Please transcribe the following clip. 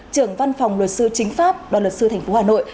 trưởng văn phòng luật sư chính pháp đoàn luật sư thành phố hà nội